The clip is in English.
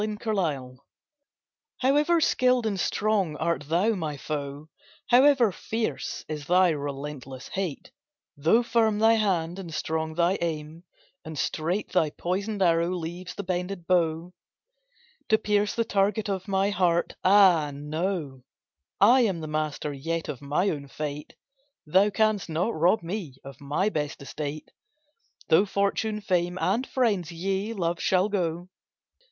UNCONQUERED However skilled and strong art thou, my foe, However fierce is thy relentless hate, Though firm thy hand, and strong thy aim, and straight Thy poisoned arrow leaves the bended bow, To pierce the target of my heart, ah! know I am the master yet of my own fate. Thou canst not rob me of my best estate, Though fortune, fame, and friends, yea, love shall go.